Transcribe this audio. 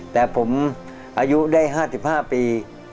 แต่ผมอายุได้๕๕ปี